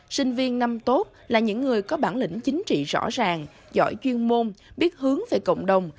sinh viên năm tốt là những người có bản lĩnh chính trị rõ ràng giỏi chuyên môn biết hướng về cộng đồng